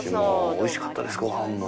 美味しかったですご飯も。